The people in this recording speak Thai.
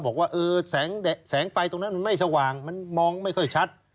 บอกว่าแสงไฟตรงนั้นมันไม่สว่างมันมองไม่ค่อยชัด